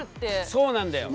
そうなんだよ。